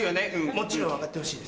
もちろん上がってほしいです。